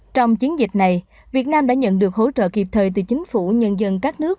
trong chiến dịch này việt nam đã nhận được hỗ trợ kịp thời từ chính phủ nhân dân các nước